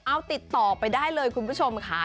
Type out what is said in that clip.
เอาติดต่อไปได้เลยคุณผู้ชมค่ะ